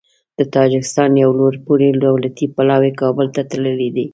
د تاجکستان یو لوړپوړی دولتي پلاوی کابل ته تللی دی.